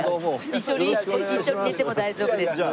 一緒に一緒に寝ても大丈夫ですので。